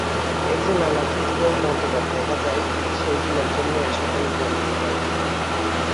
এই যে নানা ক্ষতিকর মতবাদ দেখা যায়, সেগুলির জন্য এই-সকল গ্রন্থই দায়ী।